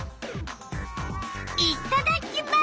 いっただきます！